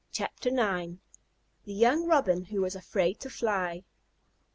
THE YOUNG ROBIN WHO WAS AFRAID TO FLY.